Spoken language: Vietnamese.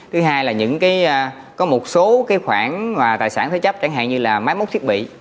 thứ hai là những cái có một số cái khoản tài sản thế chấp chẳng hạn như là máy mốt thiết bị